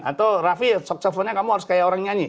atau raffi sop sopnya kamu harus kayak orang nyanyi